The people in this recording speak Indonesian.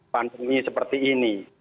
pandemi seperti ini